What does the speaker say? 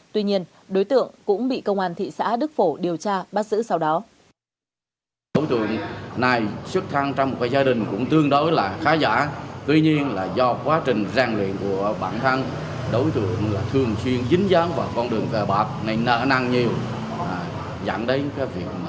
tuy nhiên đối tượng cũng bị công an thị xã đức phổ điều tra bắt giữ sau đó